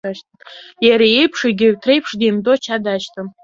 Иара иеиԥш, егьырҭ реиԥш, деимдо ача дашьҭан.